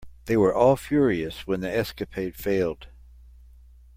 They were all furious when the escapade failed.